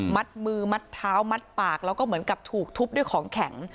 มัดมือมัดเท้ามัดปากแล้วก็เหมือนกับถูกทุบด้วยของแข็ง